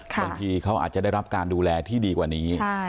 บางทีเขาอาจจะได้รับการดูแลที่ดีกว่านี้